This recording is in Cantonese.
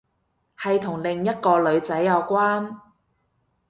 係同另一個女仔有關